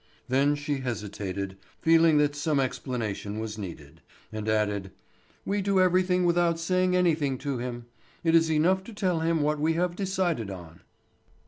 Then she hesitated, feeling that some explanation was needed, and added: "We do everything without saying anything to him. It is enough to tell him what we have decided on."